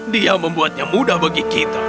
dia membuatnya mudah bagi kita